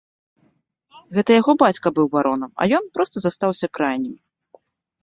Гэта яго бацька быў баронам, а ён проста застаўся крайнім.